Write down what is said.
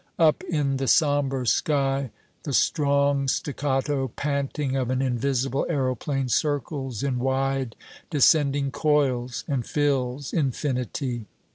Up in the somber sky, the strong staccato panting of an invisible aeroplane circles in wide descending coils and fills infinity.